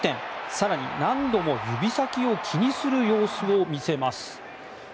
更に、何度も指先を気にする様子を見せます。